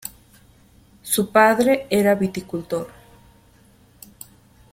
Su padre era viticultor.